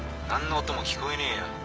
何の音も聞こえねえよ